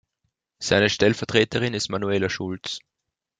Seine Stellvertreterin ist Manuela Schulz.